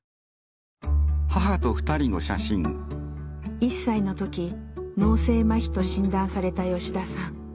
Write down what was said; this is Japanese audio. １歳の時脳性まひと診断された吉田さん。